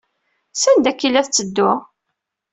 Sanda akka ay la tetteddu?